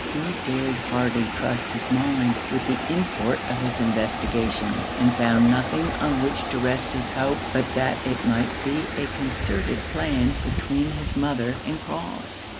He dared hardly trust his mind with the import of this investigation; and found nothing on which to rest his hope, but that it might be a concerted plan between his mother and Crofts.